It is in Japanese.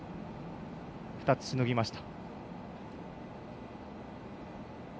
２つしのぎました。